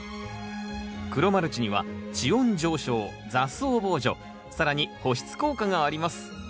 黒マルチには地温上昇雑草防除更に保湿効果があります。